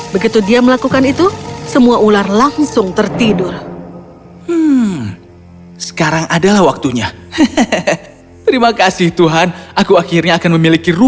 begitu dia melakukan itu semua ular langsung tertidur